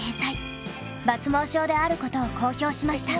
抜毛症であることを公表しました。